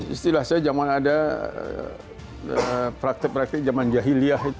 istilah saya zaman ada praktik praktik zaman jahiliah